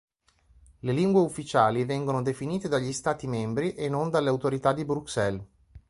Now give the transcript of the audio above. Le lingue ufficiali vengono definite dagli stati membri e non dalle autorità di Bruxelles.